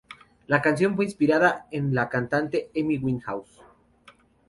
La canción fue inspirada en la cantante Amy Winehouse.